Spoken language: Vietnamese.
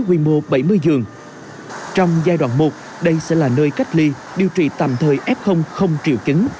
quy mô bảy mươi giường trong giai đoạn một đây sẽ là nơi cách ly điều trị tạm thời f không triệu chứng